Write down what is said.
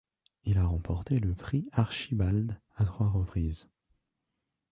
Il a remporté le prix Archibald à trois reprises.